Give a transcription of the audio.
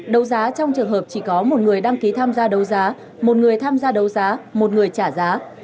đầu giá trong trường hợp chỉ có một người đăng ký tham gia đầu giá một người tham gia đầu giá một người trả giá